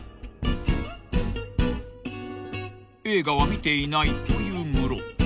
［映画は見ていないというムロ］